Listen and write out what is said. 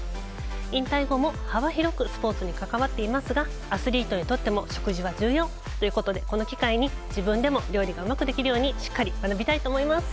引退後も幅広くスポーツに関わっていますがアスリートにとっても食事は重要ということでこの機会に自分でも料理がうまくできるようにしっかり学びたいと思います。